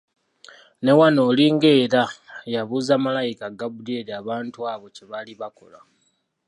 Ne wano Olinga era yabuuza Malayika Gaabulyeri abantu abo kye baali bakola